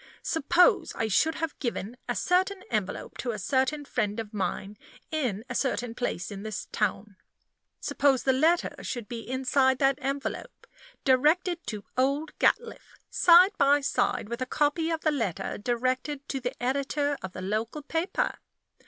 Suppose I should have given a certain envelope to a certain friend of mine in a certain place in this town? Suppose the letter should be inside that envelope, directed to old Gatliffe, side by side with a copy of the letter directed to the editor of the local paper?